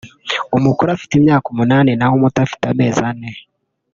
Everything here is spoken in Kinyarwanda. umukuru afite imyaka umunani naho umuto afite amezi ane